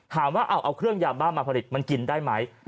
ถามว่าเอาเครื่องยาบ้ามาผลิตมันกินได้ไหม